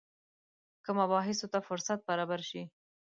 که مباحثو ته فرصت برابر شي.